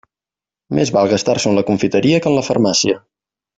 Més val gastar-s'ho en la confiteria que en la farmàcia.